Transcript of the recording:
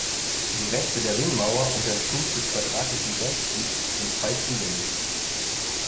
Die Reste der Ringmauer und der Stumpf des quadratischen Bergfrieds sind frei zugänglich.